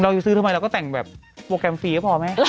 จะซื้อทำไมเราก็แต่งแบบโปรแกรมฟรีก็พอแม่